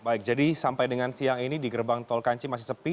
baik jadi sampai dengan siang ini di gerbang tol kanci masih sepi